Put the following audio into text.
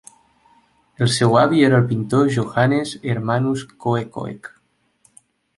El seu avi era el pintor Johannes Hermanus Koekkoek.